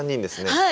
はい。